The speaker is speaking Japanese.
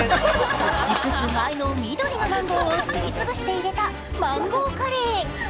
熟す前の緑のマンゴーをすり潰して入れた、マンゴーカレー。